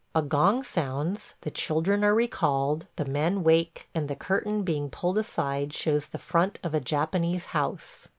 A gong sounds, the children are recalled, the men wake, and the curtain being pulled aside shows the front of a Japanese house.